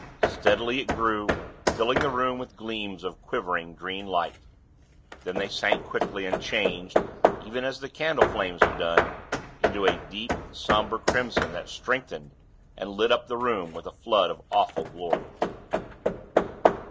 Steadily it grew, filling the room with gleams of quivering green light; then they sank quickly, and changed even as the candle flames had done into a deep, somber crimson that strengthened, and lit up the room with a flood of awful glory.